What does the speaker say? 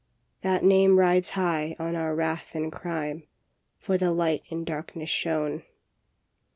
" That name rides high on our wrath and crime, For the Light in darkness shone.